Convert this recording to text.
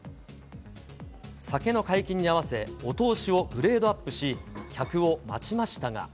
酒の解禁に合わせ、お通しをグレードアップし、客を待ちましたが。